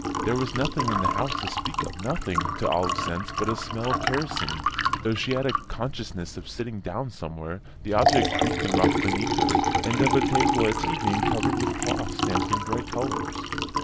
There was nothing in the house to speak of; nothing, to Olive's sense, but a smell of kerosene; though she had a consciousness of sitting down somewhere the object creaked and rocked beneath her and of the table at tea being covered with a cloth stamped in bright colours.